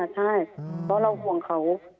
ใช่เพราะเราห่วงเขา